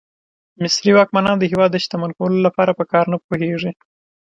مصري واکمنان د هېواد د شتمن کولو لپاره په کار نه پوهېږي.